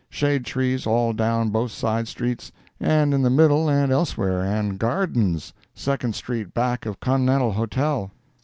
Shade trees all down both sides street, and in the middle and elsewhere, and gardens—second street back of Connental Hotel.